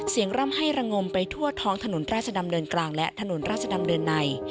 ร่ำให้ระงมไปทั่วท้องถนนราชดำเนินกลางและถนนราชดำเนินใน